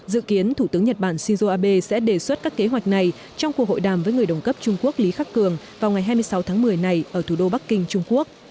dự kiến thủ tướng nhật bản shinzo abe sẽ đề xuất các kế hoạch này trong cuộc hội đàm với người đồng cấp trung quốc lý khắc cường vào ngày hai mươi sáu tháng một mươi này ở thủ đô bắc kinh trung quốc